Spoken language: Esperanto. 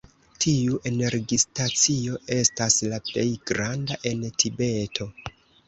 Tiu energistacio estas la plej granda en Tibeto.